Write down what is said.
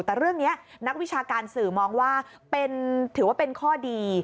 แต่เรื่องนี้นักวิชาการสื่อมองว่าถือว่าเป็นข้อดี